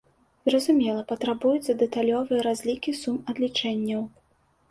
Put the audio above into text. Зразумела, патрабуюцца дэталёвыя разлікі сум адлічэнняў.